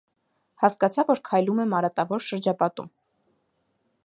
Հասկացա, որ քայլում եմ արատավոր շրջապատում։